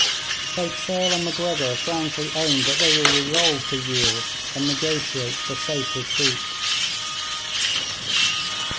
Both Sale and Macgregor frankly owned that they were resolved to yield, and negotiate for safe retreat.